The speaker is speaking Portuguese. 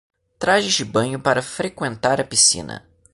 Trajes de banho para frequentar a piscina